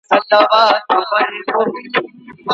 ايا هغوی ستاسو نظرونه تائيدوي؟